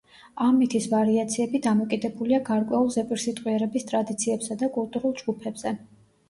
ამ მითის ვარიაციები დამოკიდებულია გარკვეულ ზეპირსიტყვიერების ტრადიციებსა და კულტურულ ჯგუფებზე.